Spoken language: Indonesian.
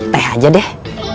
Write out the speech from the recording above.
teh aja deh